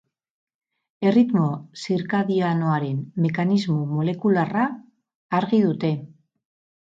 Erritmo zirkadianoaren mekanismo molekularra argi dute.